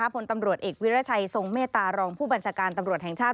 ผลตำรวจเอกวิรัชัยทรงเมตตารองผู้บัญชาการตำรวจแห่งชาติ